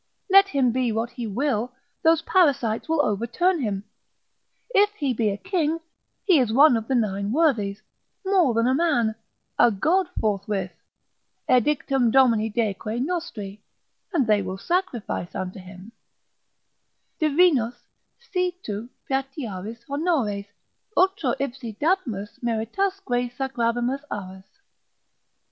Let him be what he will, those parasites will overturn him: if he be a king, he is one of the nine worthies, more than a man, a god forthwith,—edictum Domini Deique nostri: and they will sacrifice unto him, ———divinos si tu patiaris honores, Ultro ipsi dabimus meritasque sacrabimus aras.